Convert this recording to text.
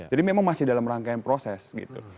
jadi memang masih dalam rangkaian proses gitu